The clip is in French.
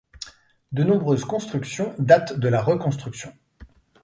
De nombreuses constructions datent de la reconstruction.